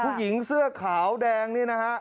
ผู้หญิงเสื้อขาวแดงนี่นะฮะ